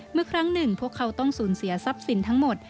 เมื่อครั้งหนึ่งพวกเขาต้องสูญเสียทรัพย์สินทั้งหมด